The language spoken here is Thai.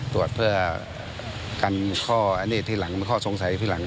ตรวจเพื่อกันข้ออันนี้ทีหลังเป็นข้อสงสัยทีหลัง